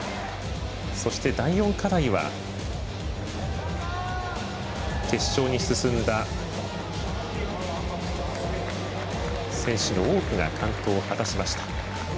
そして、第４課題は決勝に進んだ選手の多くが完登を果たしました。